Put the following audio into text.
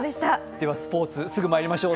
ではスポーツ、すぐまいりましょう。